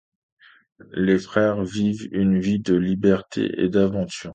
Les frères vivent une vie de liberté et d'aventure.